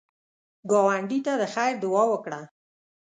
ګاونډي ته د خیر دعا وکړه